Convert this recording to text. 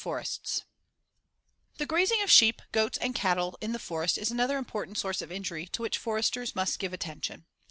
] The grazing of sheep, goats and cattle in the forest is another important source of injury to which foresters must give attention.